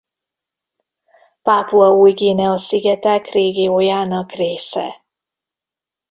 Pápua Új-Guinea Szigetek régiójának része.